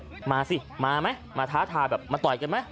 มาสิมาไหมมาท้าทายแบบมาต่อยกันไหม